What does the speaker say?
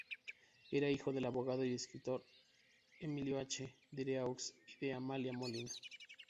Era hijo del abogado y escritor Emilio H. Daireaux y de Amalia Molina.